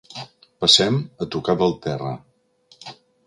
Passem a tocar del terra.